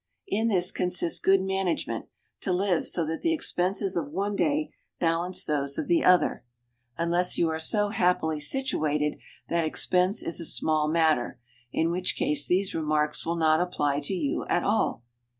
In this consists good management, to live so that the expenses of one day balance those of the other unless you are so happily situated that expense is a small matter, in which case these remarks will not apply to you at all.